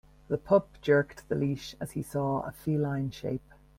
The pup jerked the leash as he saw a feline shape.